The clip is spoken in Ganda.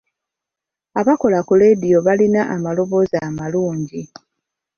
Abakola ku leediyo balina amaloboozi amalungi.